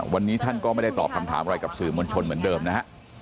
วันนี้ท่านก็ไม่ได้ตอบคำถามอะไรกับสื่อมวลชนเหมือนเดิมนะฮะ